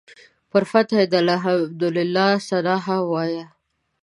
پر فتحه یې د الحمدلله ثناء هم وایه.